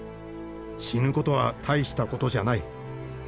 死ぬことは大したことじゃない。